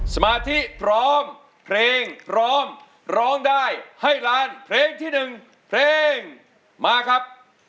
สมาธิพร้อมเพลงพร้อมร้องได้ให้ล้านเพลงที่๑เพลงมาครับ